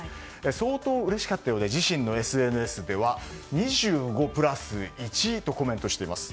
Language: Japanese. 相当うれしかったようで自身のＳＮＳでは「２５＋１」とコメントしています。